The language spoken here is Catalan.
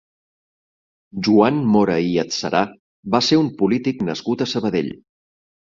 Joan Mora i Adserà va ser un polític nascut a Sabadell.